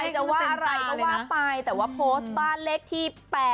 จะว่าอะไรก็ว่าไปแต่ว่าโพสต์บ้านเลขที่๘